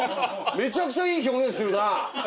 めちゃくちゃいい表現するな！